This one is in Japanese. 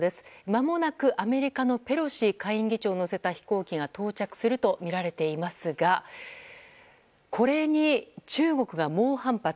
まもなくアメリカのペロシ下院議長を乗せた飛行機が到着するとみられていますがこれに中国が猛反発。